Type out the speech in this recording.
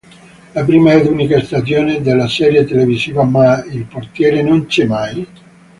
La prima ed unica stagione della serie televisiva Ma il portiere non c'è mai?